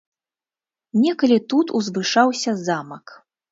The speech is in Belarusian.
Некалі тут узвышаўся замак.